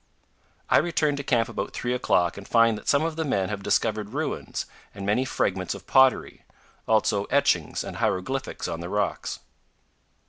I return to camp about three o'clock and find that some of the men have discovered ruins and many fragments of pottery; also etchings and hieroglyphics on the rocks.